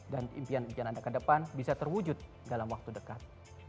dan impian yang ada ke depan bisa terwujud dalam waktu dekat